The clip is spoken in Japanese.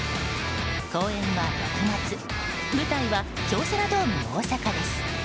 公演は６月舞台は京セラドーム大阪です。